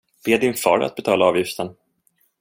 Be din far att betala avgiften.